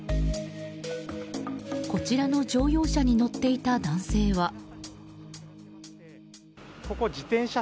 こちらの乗用車に乗っていた男性は。